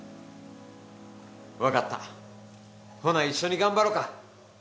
分かったほな一緒に頑張ろうか！